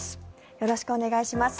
よろしくお願いします。